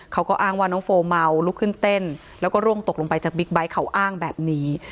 เขาก็อ้างว่าน้องโฟเมาลุกขึ้นเต้นแล้วก็ร่วงตกลงไปจากบิ๊กไบท์เขาอ้างแบบนี้